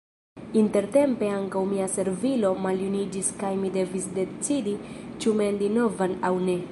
Intertempe ankaŭ mia servilo maljuniĝis kaj mi devis decidi ĉu mendi novan aŭ ne.